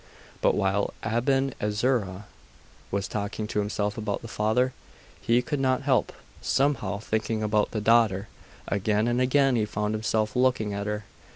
But while Aben Ezra was talking to himself about the father, he could not help, somehow, thinking about the daughter. Again and again he found himself looking at her.